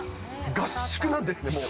合宿なんですね、もう。